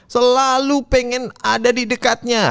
selalu pengen ada di dekatnya